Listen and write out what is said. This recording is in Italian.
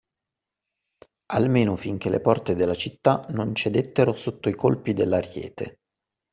Almeno finché le porte della città non cedettero sotto i colpi dell’ariete.